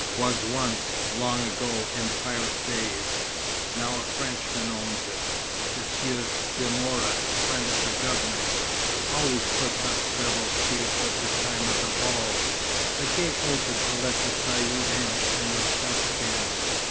"Was once long ago as pirate days. Now a Frenchman owns it Monsieur de Mora friend of the Governor's. Always puts up several chiefs at the time of the ball." The gate opened to let the caïd in and was shut again.